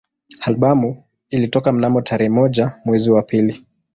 Albamu ilitoka mnamo tarehe moja mwezi wa pili